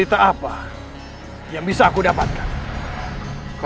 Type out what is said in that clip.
hidup raden suraya sesa